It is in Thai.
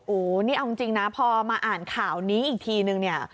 โอ้โหนี่เอาจริงนะพอมาอ่านข่าวนี้อีกทีนึงเนี่ย